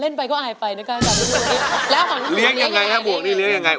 เล่นไปก็อาฮิโภคนะค่ะ